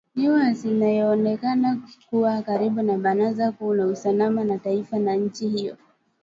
Nournews inayoonekana kuwa karibu na baraza kuu la usalama la taifa la nchi hiyo